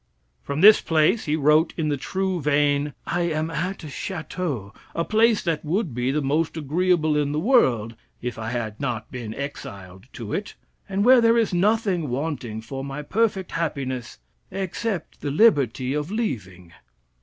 From this place he wrote in the true vein: "I am at a chateau, a place that would be the most agreeable in the world if I had not been exiled to it, and where there is nothing wanting for my perfect happiness except the liberty of leaving.